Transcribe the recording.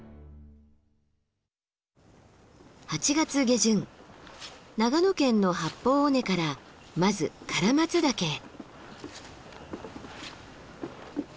８月下旬長野県の八方尾根からまず唐松岳へ。